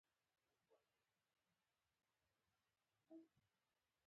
موسمي نباتات په ځانګړي فصل کې وده کوي